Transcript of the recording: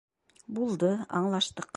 Булды, аңлаштыҡ!